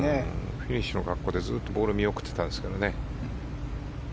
フィニッシュの格好でずっとボールを見送ってたんですけどね。